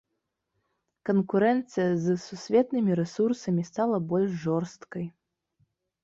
Канкурэнцыя з сусветнымі рэсурсамі стала больш жорсткай.